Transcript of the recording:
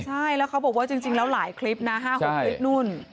ใช่แล้วเขาบอกว่าจริงแล้วหลายคลิปนะ๕๖คลิปนู่น